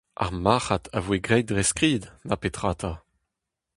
Ar marc'had a voe graet dre skrid, na petra 'ta !